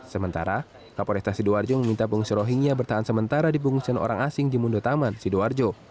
sementara kapol restasi sidoarjo meminta pengungsi rohingya bertahan sementara di pengungsian orang asing di mundo taman sidoarjo